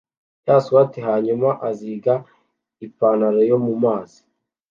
ya swater hanyuma azinga ipantaro yo mu mazi